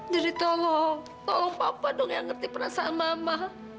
jadi tolong tolong papa dong yang ngerti perasaan mama